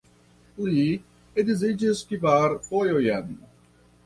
Li edziĝis kvar fojojn.